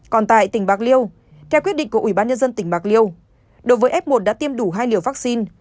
còn tại tỉnh bạc liêu theo quyết định của ubnd tỉnh bạc liêu đối với f một đã tiêm đủ hai liều vaccine